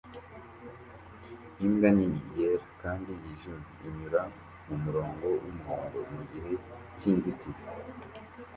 Imbwa nini yera kandi yijimye inyura mumurongo wumuhondo mugihe cyinzitizi